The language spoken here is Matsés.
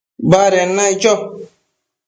baded naic cho